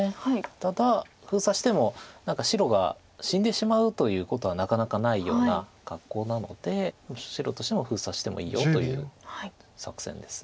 ただ封鎖しても何か白が死んでしまうということはなかなかないような格好なので白としても「封鎖してもいいよ」という作戦です。